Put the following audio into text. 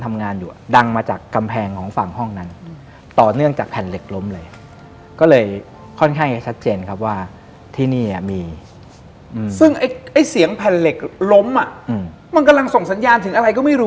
มันกำลังส่งสัญญาณถึงอะไรก็ไม่รู้